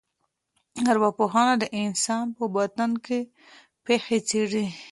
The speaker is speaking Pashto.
ارواپوهنه د انسان په باطن کي پېښي څېړي.